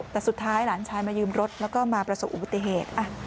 แต่สุดท้ายหลานชายมายืมรถแล้วก็มาประสบอุบัติเหตุ